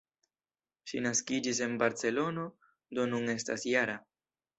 Ŝi naskiĝis en Barcelono, do nun estas -jara.